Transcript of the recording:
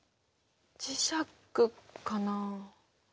磁石かなあ。